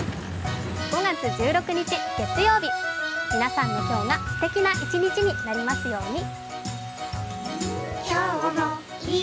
５月１６日、月曜日、皆さんの今日がすてきな一日になりますように。